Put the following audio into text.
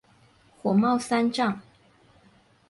火冒三丈